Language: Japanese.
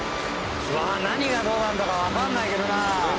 何がどうなんだかわかんないけどな。